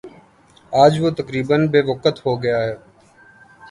آج وہ تقریبا بے وقعت ہو گیا ہے